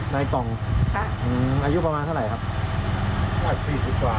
ในกล่องอายุประมาณเท่าไหร่ครับสี่สิบกว่า